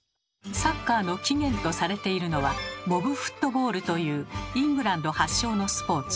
サッカーの起源とされているのは「モブフットボール」というイングランド発祥のスポーツ。